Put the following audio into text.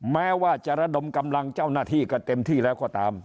แม้ว่าจะระดมกำลังเจ้าหน้าที่กันเต็มที่แล้วก็ตาม